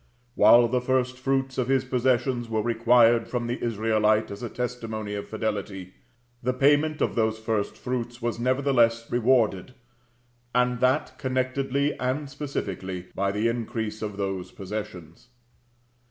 While the first fruits of his possessions were required from the Israelite as a testimony of fidelity, the payment of those first fruits was nevertheless rewarded, and that connectedly and specifically, by the increase of those possessions.